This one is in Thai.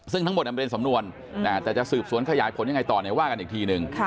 ซึ่งทั้งหมดมันเป็นสำนวนแต่จะสืบสวนขยายผลยังไงต่อเนี่ยว่ากันอีกทีนึง